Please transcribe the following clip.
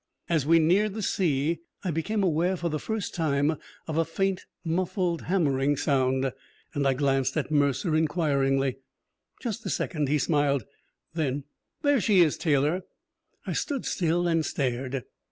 As we neared the sea, I became aware, for the first time, of a faint, muffled hammering sound, and I glanced at Mercer inquiringly. "Just a second," he smiled. "Then there she is, Taylor!" I stood still and stared.